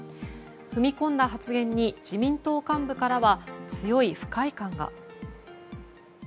踏み込んだ発言に自民党幹部からは強い不快感が。